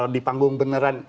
di panggung beneran